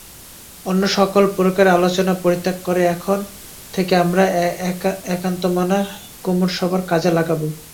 অন্য সকল-প্রকার আলোচনা পরিত্যাগ করে এখন থেকে আমরা একান্তমনে কুমারসভার কাজে লাগব।